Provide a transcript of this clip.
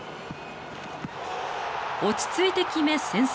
落ち着いて決め、先制。